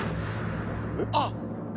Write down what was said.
あっ。